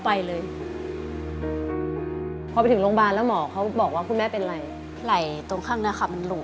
เพราะว่าหนูไม่มีตังค์